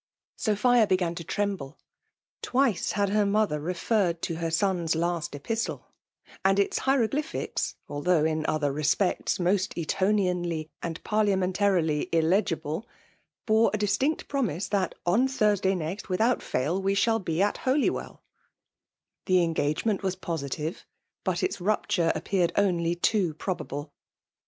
Sophia began to tremble. Twice had her mother referred to her son's last epistle ; and its hieroglyphics^ although in other respects ipost Etonianly and Parliamentarily illegible, bore a distinct promise^ that " On Thursday next, without fail, we «hall be at Holywdl" The engagement was positive ; but its rupture appeared only too probable.